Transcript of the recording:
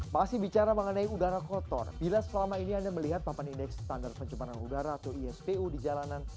masih bicara mengenai udara kotor bila selama ini anda melihat papan indeks standar pencemaran udara atau ispu di jalanan